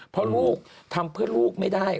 เพราะลูกทำเพื่อลูกไม่ได้